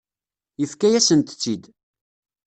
Yefka-yasent-tt-id.